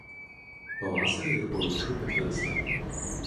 Pavasarį ir po liūčių patvinsta.